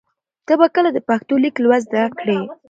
ته به کله د پښتو لیک لوست زده کړې؟